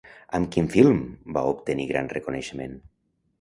Amb quin film va obtenir gran reconeixement?